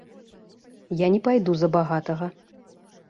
Я не пайду за багатага.